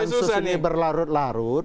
pansus ini berlarut larut